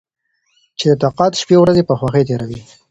چې د تقاعد شپې ورځې په خوښۍ تېروي.